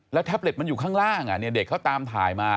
แท็บเล็ตมันอยู่ข้างล่างเด็กเขาตามถ่ายมา